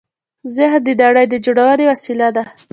ذهن د نړۍ د جوړونې وسیله ده.